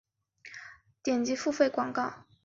点击付费广告也可能会在内容联播网站出现。